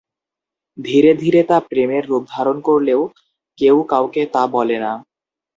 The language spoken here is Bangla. ধীরে ধীরে তা প্রেমের রূপ ধারণ করলেও কেউ কাউকে তা বলে না।